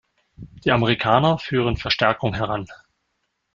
Die Amerikaner führen Verstärkung heran.